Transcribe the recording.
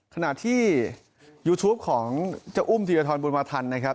ขณะที่ยูทูปของเจ้าอุ้มธีรทรบุญมาทันนะครับ